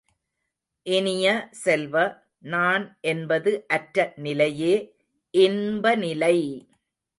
இனிய செல்வ, நான் என்பது அற்ற நிலையே இன்பநிலை!